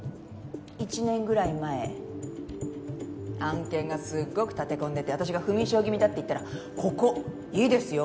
１年ぐらい前案件がすっごく立て込んでて私が不眠症気味だって言ったらここいいですよ。